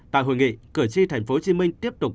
tại hội nghị cử tri tp hcm tiếp tục